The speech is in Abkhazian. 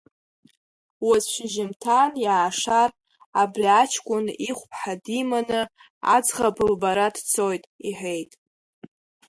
Уаҵәы шьыжьымҭан иаашар абри аҷкәын ихәԥҳа диманы аӡӷаб лбара дцоит, — иҳәеит.